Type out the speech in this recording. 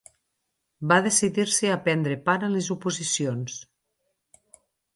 Va decidir-se a prendre part en les oposicions.